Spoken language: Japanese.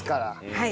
はい。